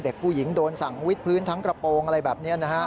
เด็กผู้หญิงโดนสั่งวิดพื้นทั้งกระโปรงอะไรแบบนี้นะฮะ